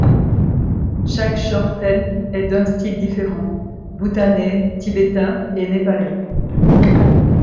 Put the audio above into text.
Chaque chorten est d'un style différent – bhoutanais, tibétain et népalais.